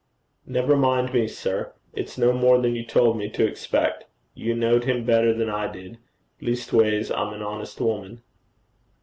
'Never mind me, sir. It's no more than you told me to expect. You knowed him better than I did. Leastways I'm an honest woman.'